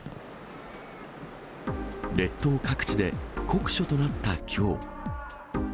列島各地で酷暑となったきょう。